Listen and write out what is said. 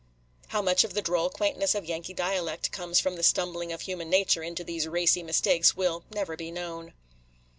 How much of the droll quaintness of Yankee dialect comes from the stumbling of human nature into these racy mistakes will never be known.